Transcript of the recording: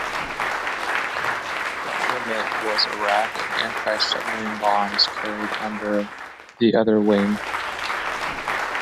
The armament was a rack of anti-submarine bombs carried under the other wing.